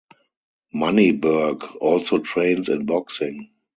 Moneyberg also trains in boxing.